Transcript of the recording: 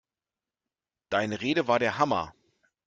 Deine Rede war der Hammer!